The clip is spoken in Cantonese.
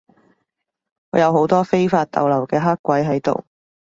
有好多非法逗留嘅黑鬼喺度